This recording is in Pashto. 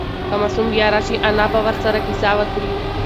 که ماشوم بیا راشي، انا به ورسره قصه وکړي.